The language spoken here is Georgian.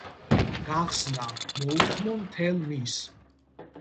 გახსნა, მოუხმო მთელ მის